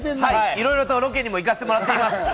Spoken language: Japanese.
いろいろとロケにも行かせてもらっています。